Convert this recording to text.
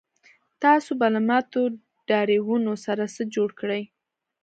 تاسو به له ماتو ډرایوونو سره څه جوړ کړئ